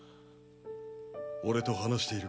俺と話している